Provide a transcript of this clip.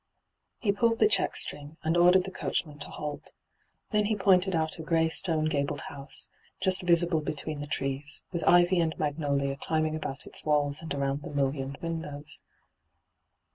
He pulled the check string, and ordered the coachman to halt. Then he pointed out a grey stone gabled house, just visible between the trees, with ivy and magnolia climbing about its walls and around the mullioned windows.